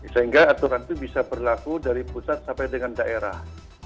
sehingga aturan itu bisa berlaku dari pusat sampai dengan daerah